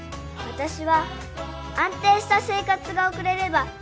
私は安定した生活が送れれば